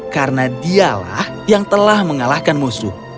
karena dialah yang telah mengalahkan musuh